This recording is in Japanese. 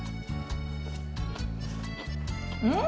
うん！